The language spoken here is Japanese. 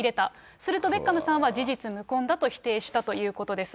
するとベッカムさんは事実無根だと否定したということです。